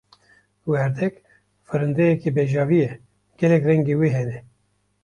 Werdek, firindeyeke bejavî ye, gelek rengên wê hene.